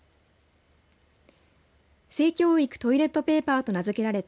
性教育トイレットペーパーと名付けられた